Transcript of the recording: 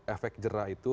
efek jerah itu